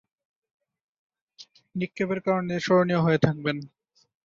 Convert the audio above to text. নিক্ষেপের কারণে স্মরণীয় হয়ে থাকবেন।